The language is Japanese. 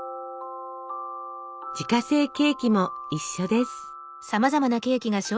自家製ケーキも一緒です。